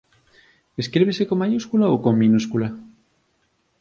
Escríbese con maiúscula ou con minúscula?